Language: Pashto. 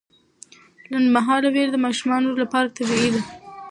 لنډمهاله ویره د ماشومانو لپاره طبیعي ده.